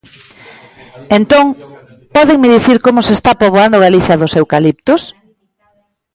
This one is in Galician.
Entón, ¿pódenme dicir como se está poboando Galicia dos eucaliptos?